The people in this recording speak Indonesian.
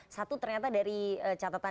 satu ternyata dari catatan